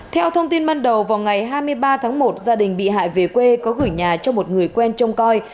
theo thông tin ban đầu vào ngày hai mươi ba tháng một gia đình bị hại về quê có gửi nhà cho một người quen trông coi